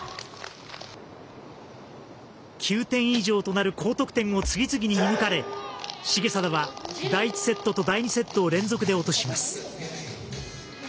９点以上となる高得点を次々に射抜かれ重定は第１セットと第２セットを連続で落とします。